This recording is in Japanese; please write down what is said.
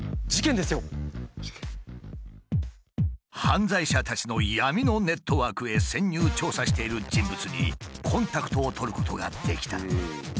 犯罪者たちの闇のネットワークへ潜入調査している人物にコンタクトを取ることができた。